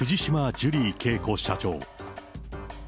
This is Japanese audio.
ジュリー景子社長。